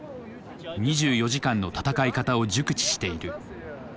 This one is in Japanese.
２４時間の戦い方を熟知している。